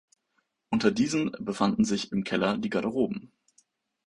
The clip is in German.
Unter diesen befanden sich im Keller die Garderoben.